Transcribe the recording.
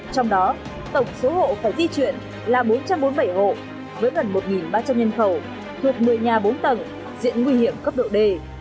trong đó tổng số hộ phải di chuyển là bốn trăm bốn mươi bảy hộ với gần một ba trăm linh nhân khẩu thuộc một mươi nhà bốn tầng diện nguy hiểm cấp độ d